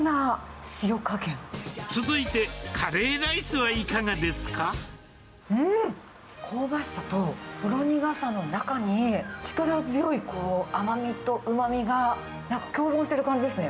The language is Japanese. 続いてカレーライスはいかがうーん、香ばしさとほろ苦さの中に、力強い甘みとうまみが共存してる感じですね。